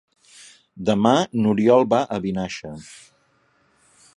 Demà n'Oriol va a Vinaixa.